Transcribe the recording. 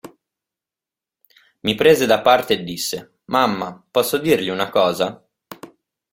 Mi prese da pare e disse: "Mamma, posso dirgli una cosa?".